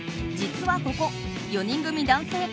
実はここ４人組男性